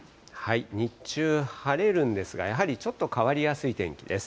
日中晴れるんですが、やはりちょっと変わりやすい天気です。